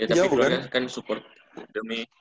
tapi keluarga kan support demi